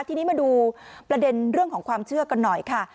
ทีนี้มาดูประเด็นเรื่องของความเชื่อกันหน่อยค่ะ